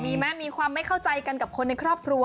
มีไหมมีความไม่เข้าใจกันกับคนในครอบครัว